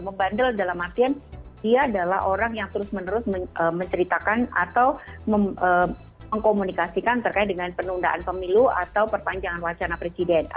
membandel dalam artian dia adalah orang yang terus menerus menceritakan atau mengkomunikasikan terkait dengan penundaan pemilu atau perpanjangan wacana presiden